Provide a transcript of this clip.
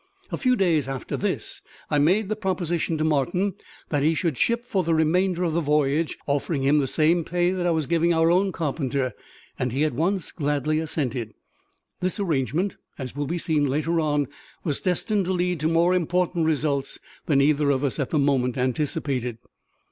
A few days after this I made the proposition to Martin that he should ship for the remainder of the voyage, offering him the same pay that I was giving our own carpenter; and he at once gladly assented. This arrangement, as will be seen later on, was destined to lead to more important results than either of us at the moment anticipated.